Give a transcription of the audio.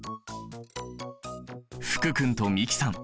福君と美樹さん